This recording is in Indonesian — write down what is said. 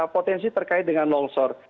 potensi terkait dengan longshore